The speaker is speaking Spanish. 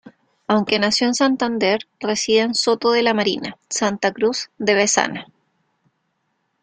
Aunque nació en Santander, reside en Soto de la Marina, Santa Cruz de Bezana.